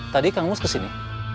tadi kang mus kesini